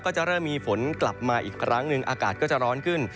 ก็จะเริ่มมีฝนกลับมาอีกครั้งหนึ่งอากาศก็จะร้อนขึ้น